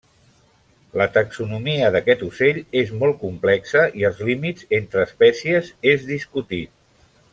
La taxonomia d'aquest ocell és molt complexa i els límits entre espècies és discutit.